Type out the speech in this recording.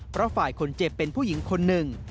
เพราะฝ่ายคนเจ็บเป็นผู้หญิงคนหนึ่ง